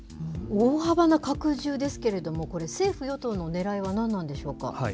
大幅な拡充ですけれども、これ、政府・与党のねらいは何なんでしょうか。